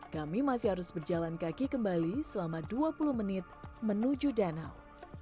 kami masih harus berjalan kaki kembali selama dua puluh menit menuju danau